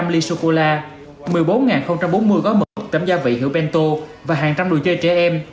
bảy trăm linh ly sô cô la một mươi bốn bốn mươi gói mực tấm gia vị hữu bento và hàng trăm đồ chơi trẻ em